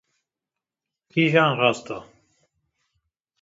Kîjan rast e?